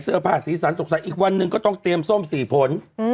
เสื้อผ้าสีสันตรงใส่อีกวันหนึ่งก็ต้องเตรียมส้มสี่พลเออ